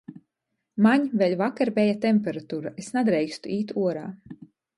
Maņ vēļ vakar beja temperatura, es nadreikstu īt uorā.